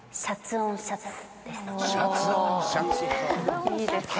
おいいですね。